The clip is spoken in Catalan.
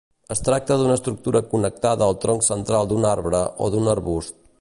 Es tracta d'una estructura connectada al tronc central d'un arbre o d'un arbust.